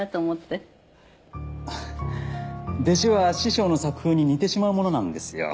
あっ弟子は師匠の作風に似てしまうものなんですよ。